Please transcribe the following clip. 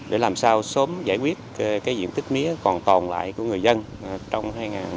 để làm sao sớm giải quyết cái diện tích mía còn còn lại của người dân trong hai nghìn một mươi bảy hai nghìn một mươi tám